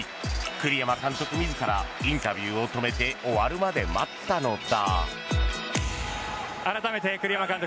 栗山監督自らインタビューを止めて終わるまで待ったのだ。